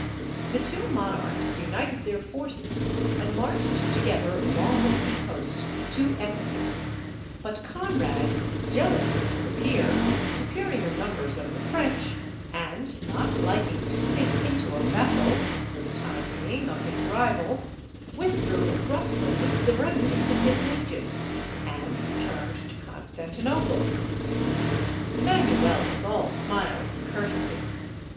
The two monarchs united their forces, and marched together along the sea coast to Ephesus; but Conrad, jealous, it would appear, of the superior numbers of the French, and not liking to sink into a vassal, for the time being, of his rival, withdrew abruptly with the remnant of his legions, and returned to Constantinople. Manuel was all smiles and courtesy.